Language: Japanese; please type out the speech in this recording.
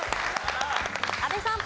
阿部さん。